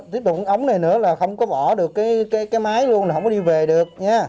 tiếp tục ống này nữa là không có bỏ được cái máy luôn là không có đi về được